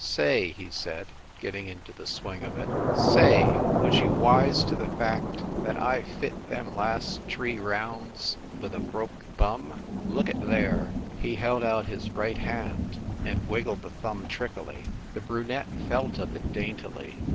"Say," he said, getting into the swing of it, 156 FIND THE WOMAN "say, was you wise to the fact that I fit them last t ree rounds with a broke thumb? Look at there !" He held out his j ight hand and wiggled the thumb trickily. The brunette felt of it daintily.